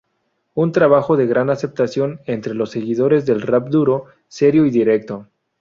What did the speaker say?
Un trabajo de gran aceptación entre los seguidores del Rap duro, serio y directo.